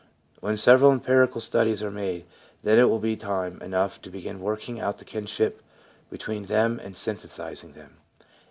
When several empirical studies are made, then it will be time enough to begin working out the kinship between them and synthesising them.